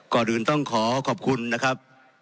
ก่อนอื่นต้องขอขอบคุณนะครับ